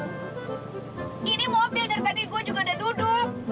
ini mobil dari tadi gue juga udah duduk